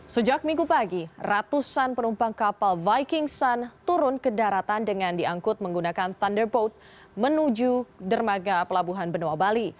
sejak minggu pagi ratusan penumpang kapal viking sun turun ke daratan dengan diangkut menggunakan thunderboat menuju dermaga pelabuhan benoa bali